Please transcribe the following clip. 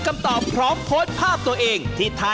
๓ครอสนี้